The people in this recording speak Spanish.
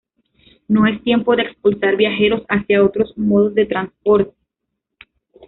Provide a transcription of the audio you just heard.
no es tiempo de expulsar viajeros hacia otros modos de transporte